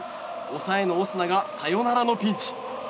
抑えのオスナがサヨナラのピンチ。